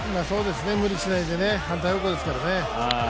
無理しないで、反対方向ですけどね。